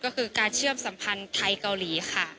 ก็คือการเชื่อมสัมพันธ์ไทยเกาหลีค่ะ